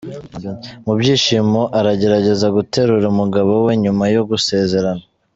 Mu byishimo aragerageza guterura umugabo we nyuma yo gusezerana.